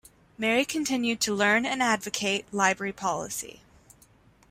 Mary continued to learn and advocate library policy.